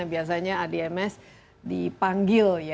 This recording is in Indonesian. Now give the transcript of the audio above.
biasanya adms dipanggil